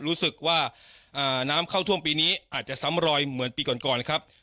รู้สึกว่าน้ำเข้าท่วมปีนี้อาจจะซ้ำรอยเหมือนปีก่อนก่อนครับ